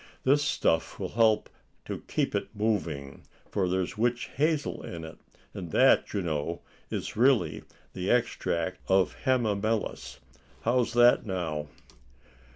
This stuff will help to keep it moving, for there's witch hazel in it, and that, you know, is really the extract of hamamelis. How's that now?"